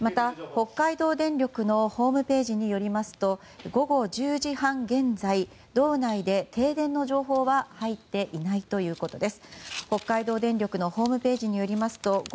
北海道電力のホームページによりますと午後１０時半現在道内で停電の情報は入っていないということです。